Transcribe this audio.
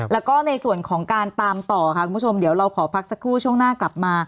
และในส่วนการตามต่อคุณผู้ชม